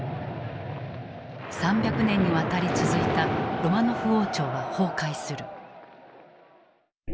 ３００年にわたり続いたロマノフ王朝は崩壊する。